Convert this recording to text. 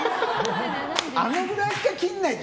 あのくらいしか切らないって。